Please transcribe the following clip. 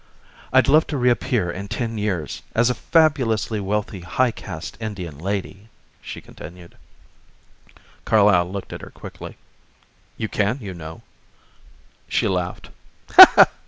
"I'd love to reappear in ten years, as a fabulously wealthy high caste Indian lady," she continued. Carlyle looked at her quickly. "You can, you know." She laughed.